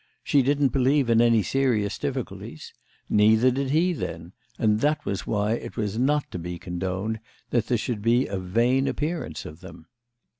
She didn't believe in any serious difficulties. Neither did he then; and that was why it was not to be condoned that there should be a vain appearance of them.